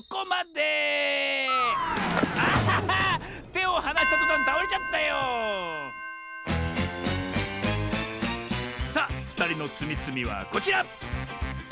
てをはなしたとたんたおれちゃったよさあふたりのつみつみはこちら！